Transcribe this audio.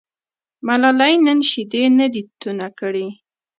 ملالۍ نن شیدې نه دي تونه کړي.